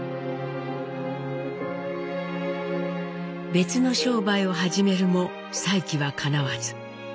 別の商売を始めるも再起はかなわず。